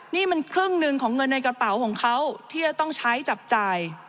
นี่มันครึ่งหนึ่งของเงินในกระเป๋าของเขาที่จะต้องใช้จับจ่าย